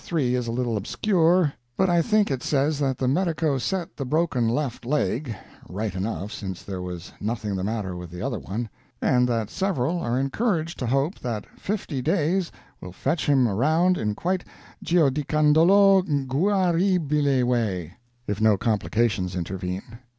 3 is a little obscure, but I think it says that the medico set the broken left leg right enough, since there was nothing the matter with the other one and that several are encouraged to hope that fifty days well fetch him around in quite giudicandolo guaribile way, if no complications intervene.